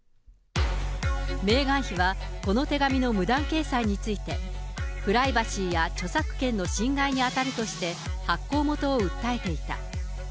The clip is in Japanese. メーガン妃は、この手紙の無断掲載について、プライバシーや著作権の侵害に当たるとして、発行元を訴えていた。